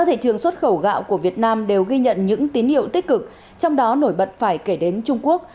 thị trường xuất khẩu gạo của việt nam đều ghi nhận những tín hiệu tích cực trong đó nổi bật phải kể đến trung quốc